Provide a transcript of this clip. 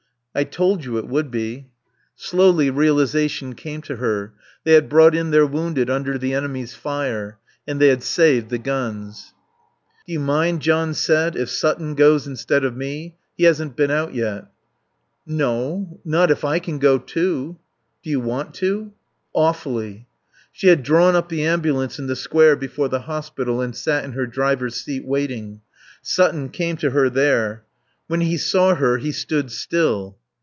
"I told you it would be." Slowly realization came to her. They had brought in their wounded under the enemy's fire. And they had saved the guns. "Do you mind," John said, "if Sutton goes instead of me He hasn't been out yet?" "N no. Not if I can go too." "Do you want to?" "Awfully." She had drawn up the ambulance in the Square before the Hospital and sat in her driver's seat, waiting. Sutton came to her there. When he saw her he stood still.